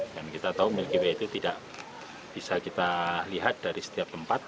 dan kita tahu milky way itu tidak bisa kita lihat dari setiap tempat